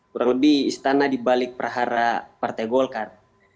kurang lebih istana dibalik perhara partai golkar